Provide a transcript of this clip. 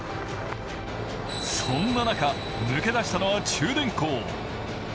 そんな中、抜け出したのは中電工。